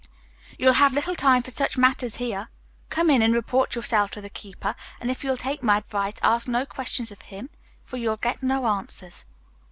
"You'll have little time for such matters here. Come in and report yourself to the keeper, and if you'll take my advice ask no questions of him, for you'll get no answers."